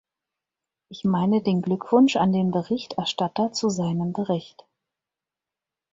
Ich meine den Glückwunsch an den Berichterstatter zu seinem Bericht.